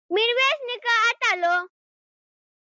میرویس نیکه اتل و